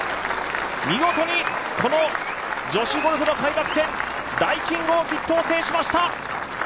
見事にこの女子ゴルフの開幕戦ダイキンオーキッドを制しました！